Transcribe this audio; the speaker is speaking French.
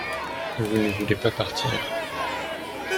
vous ne voulez pas partir.